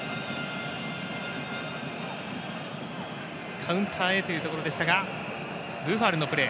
カウンターへというところでしたがブファルのプレー。